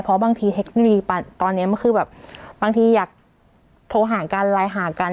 เพราะบางทีเทคโนโลยีตอนนี้มันคือแบบบางทีอยากโทรหากันไลน์หากัน